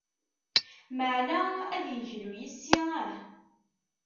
Meɛna ad yeglu yes-i ah!